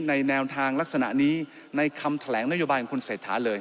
แนวทางลักษณะนี้ในคำแถลงนโยบายของคุณเศรษฐาเลย